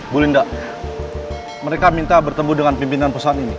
bu linda mereka minta bertemu dengan pimpinan pesantren ini